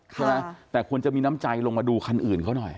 ใช่ไหมแต่ควรจะมีน้ำใจลงมาดูคันอื่นเขาหน่อย